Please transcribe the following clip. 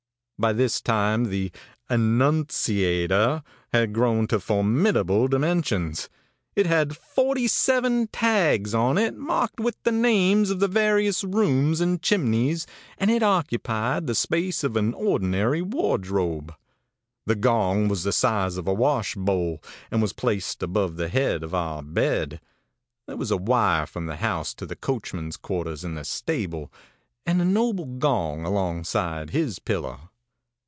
ãBy this time the 'annunciator' had grown to formidable dimensions. It had forty seven tags on it, marked with the names of the various rooms and chimneys, and it occupied the space of an ordinary wardrobe. The gong was the size of a wash bowl, and was placed above the head of our bed. There was a wire from the house to the coachman's quarters in the stable, and a noble gong alongside his pillow.